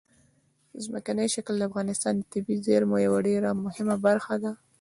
ځمکنی شکل د افغانستان د طبیعي زیرمو یوه ډېره مهمه برخه ده.